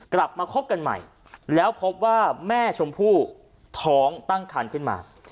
กลับมาคบกันใหม่แล้วพบว่าแม่ชมพู่ท้องตั้งคันขึ้นมา